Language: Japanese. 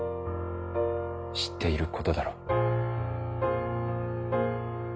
知っていることだろう」。